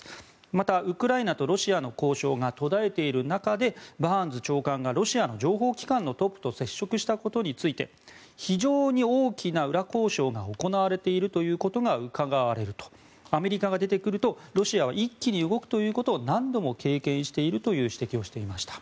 また、ウクライナとロシアの交渉が途絶えている中でバーンズ長官がロシアの情報機関のトップと接触したことについて非常に大きな裏交渉が行われているということがうかがわれるとアメリカが出てくるとロシアは一気に動くということを何度も経験しているという指摘をしていました。